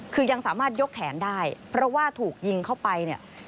คือยังสามารถยกแขนได้เพราะว่าถูกยิงเข้าไปเนี่ย